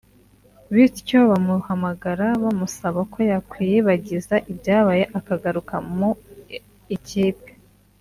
bityo bamuhamagara bamusaba ko yakwiyibagiza ibyabaye akagaruka mu ikipe